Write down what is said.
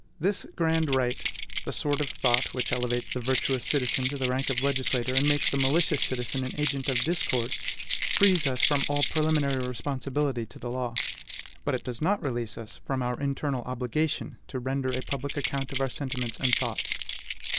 This grand right the sword of thought, which elevates the virtuous citizen to the rank of legislator, and makes the malicious citizen an agent of discord frees us from all preliminary responsibility to the law; but it does not release us from our internal obligation to render a public account of our sentiments and thoughts.